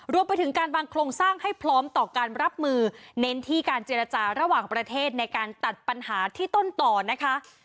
รวมไปถึงการวางโครงสร้างให้พร้อมต่อการรับมือเน้นที่การเจรจาระหว่างประเทศในการตัดปัญหาที่ต้นต่อนะคะ